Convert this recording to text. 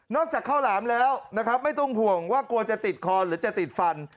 จากข้าวหลามแล้วนะครับไม่ต้องห่วงว่ากลัวจะติดคอหรือจะติดฟัน